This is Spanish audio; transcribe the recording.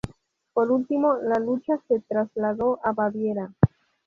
Por último, la lucha se trasladó a Baviera.